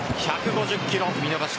１５０キロ